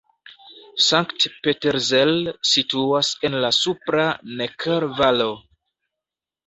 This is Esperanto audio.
Sankt-Peterzell situas en la supra Necker-Valo.